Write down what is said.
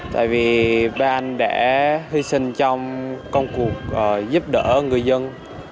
tại vì ban đã hy sinh trong công cuộc giúp đỡ người dân